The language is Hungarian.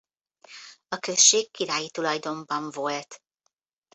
A község királyi tulajdonban volt.